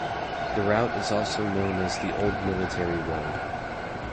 The route is also known as the Old Military Road.